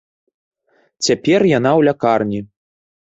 Цяпер яна ў лякарні.